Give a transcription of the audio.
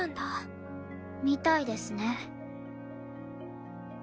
みたいですね。